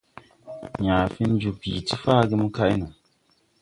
Yãã fen joo bìi ti faage mo kay no.